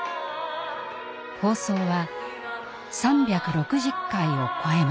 放送は３６０回を超えました。